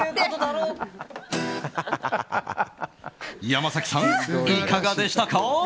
山崎さん、いかがでしたか？